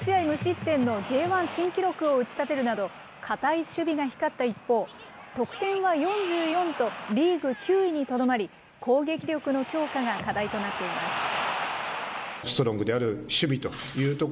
無失点のＪ１新記録を打ち立てるなど、堅い守備が光った一方、得点は４４と、リーグ９位にとどまり、攻撃力の強化が課題となっています。